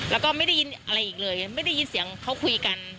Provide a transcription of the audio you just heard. แล้วก็ไม่ได้ยินอะไรอีกเลยไม่ได้ยินเสียงเขาคุยกัน